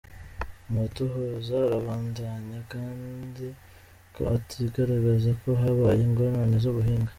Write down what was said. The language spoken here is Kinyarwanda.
Amatohoza arabandanya, kandi ko atakigaragaza ko habaye ingorane z’ubuhinga.